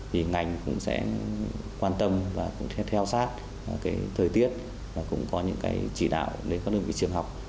thì ngành cũng sẽ quan tâm và cũng theo sát thời tiết và cũng có những chỉ đạo để các đơn vị trường học